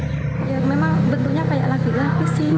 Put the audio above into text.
saya juga penunggang agama yang memang bentuknya kayak laki laki sih